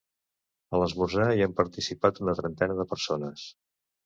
A l’esmorzar hi han participat una trentena de persones.